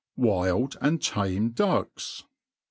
Wild and Tame Ducks.